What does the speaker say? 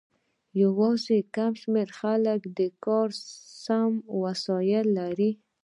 یوازې کم شمیر خلکو د کار سم وسایل لرل.